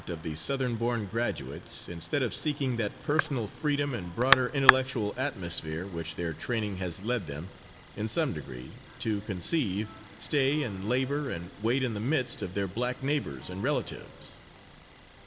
of the Southern born graduates instead of seeking that personal freedom and broader intellectual atmosphere which their training has led them, in some degree, to conceive, stay and labor and wait in the midst of their black neighbors and relatives.